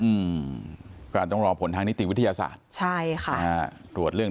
อืมก็อาจจะต้องรอผลทางนิติวิทยาศาสตร์ใช่ค่ะอ่าตรวจเรื่อง